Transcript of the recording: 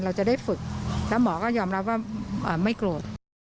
เราจะได้ฝึกแล้วหมอก็ยอมรับว่าไม่โกรธ